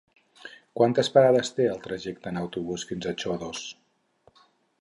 Quantes parades té el trajecte en autobús fins a Xodos?